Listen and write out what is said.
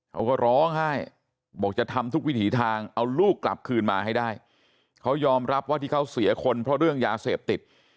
เขาก็ร้องไห้บอกจะทำทุกวิถีทางเอาลูกกลับคืนมาให้ได้เขายอมรับว่าที่เขาเสียคนเพราะเรื่องยาเสพติด